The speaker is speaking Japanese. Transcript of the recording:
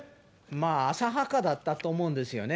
まあ、浅はかだったと思うんですよね。